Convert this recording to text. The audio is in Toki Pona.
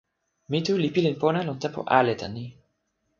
mi tu li pilin pona lon tenpo ale tan ni.